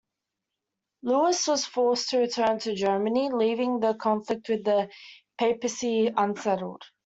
Louis was forced to return to Germany, leaving the conflict with the papacy unsettled.